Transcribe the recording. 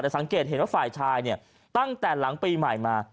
สังเกตเห็นว่าฝ่ายชายเนี่ยตั้งแต่หลังปีใหม่มา